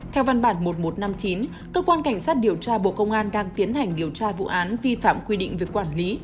theo văn bản một nghìn một trăm năm mươi chín cơ quan cảnh sát điều tra bộ công an đang tiến hành điều tra vụ án vi phạm quy định về quản lý